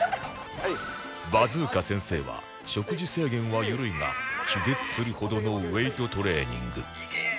バズーカ先生は食事制限は緩いが気絶するほどのウェートトレーニング